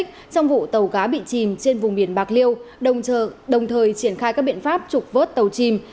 trong vụ tàu cá bị chìm trên vùng biển bạc liêu đồng thời triển khai các biện pháp trục vớt tàu chìm